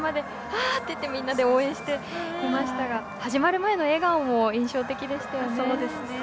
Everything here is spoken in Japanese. みんなで応援してきましたが始まる前の笑顔も印象的でしたね。